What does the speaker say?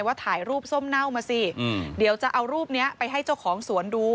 ถ่ายรูปส้มเน่ามาสิเดี๋ยวจะเอารูปเนี้ยไปให้เจ้าของสวนดู